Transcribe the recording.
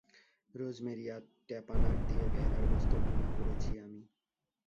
Rosemary আর tapenade দিয়ে ভেড়ার গোস্ত ভূনা করেছি আমি।